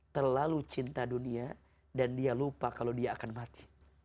terlalu cinta dunia dan dia lupa kalau dia akan mati